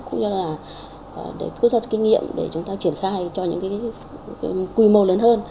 cũng như là để rút ra kinh nghiệm để chúng ta triển khai cho những quy mô lớn hơn